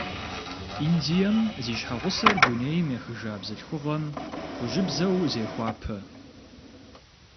Индием зи щхьэгъусэр дунейм ехыжа бзылъхугъэм хужьыбзэу зехуапэ.